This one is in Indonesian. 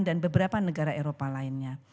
dan beberapa negara eropa lainnya